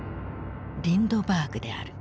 リンドバーグである。